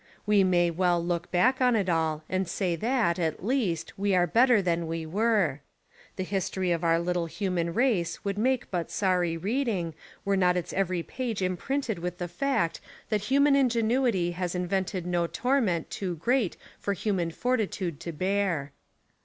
We may well look back on it all and say that, at least, we are better than we were. The history of our little human race would make but sorry reading were not Its every page imprinted with the fact that human Ingenuity has invented no torment too great for human fortitude to bear.